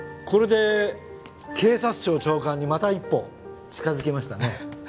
これで警察庁長官にまた一歩近づきましたね。